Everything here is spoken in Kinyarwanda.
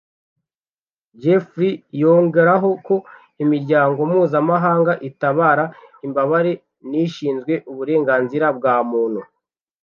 Jeffrey yongeraho ko imiryango mpuzamahanga itabara imbabare n’ishinzwe uburenganzira bwa muntu